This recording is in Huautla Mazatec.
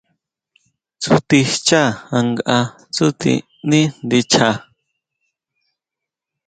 Tsúti xchá ankʼa tsúti ndí ndicha.